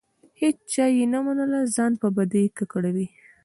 هیچا یې نه منله؛ ځان په بدۍ ککړوي.